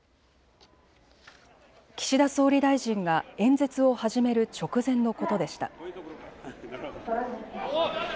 岸田総理大臣が演説を始める直前のことでした。